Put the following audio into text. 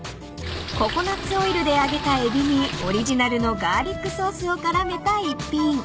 ［ココナツオイルで揚げたエビにオリジナルのガーリックソースを絡めた一品］